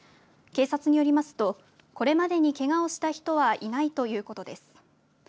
警察によりますとこれまでに、けがをした人はいないということです。